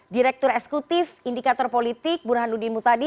direktur eksekutif indikator politik burhanuddin mutadi